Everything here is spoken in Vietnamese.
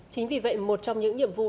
chính vì vậy một trong những nhiệm vụ